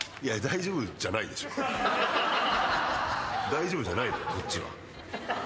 大丈夫じゃないのこっちは。